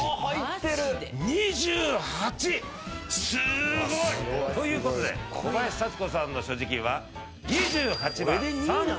すごい！ということで小林幸子さんの所持金は。